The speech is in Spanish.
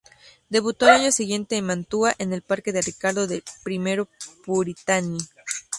Debutó al año siguiente en Mantua en el papel de Ricardo de I Puritani.